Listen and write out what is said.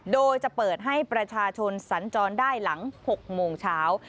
โดยจะเปิดให้ประชาชนสัญจรได้หลัง๖โมงเช้า